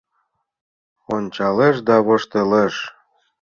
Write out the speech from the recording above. Ончалеш да воштылеш